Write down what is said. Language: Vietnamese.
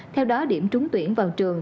theo đó điểm trúng tuyển vào trường